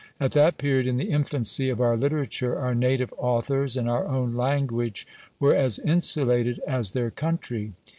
At that period, in the infancy of our literature, our native authors and our own language were as insulated as their country.